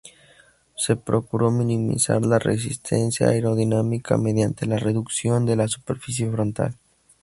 Se procuró minimizar la resistencia aerodinámica mediante la reducción de la superficie frontal.